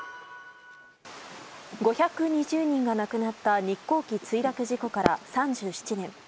５２０人が亡くなった日航機墜落事故から３７年。